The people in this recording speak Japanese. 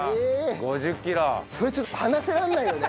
それちょっと放せられないよね。